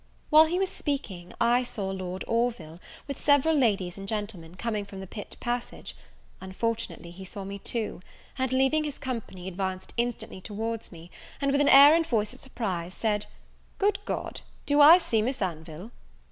While he was speaking, I saw Lord Orville, with several ladies and gentlemen, coming from the pit passage: unfortunately he saw me too, and, leaving his company, advanced instantly towards me, and with an air and voice of surprise, said, "Good God, do I see Miss Anville!"